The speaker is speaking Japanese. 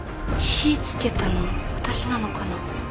火つけたの私なのかな？